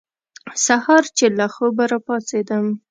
سهار چې له خوبه را پاڅېدم.